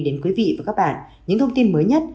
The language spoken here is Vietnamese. đến quý vị và các bạn những thông tin mới nhất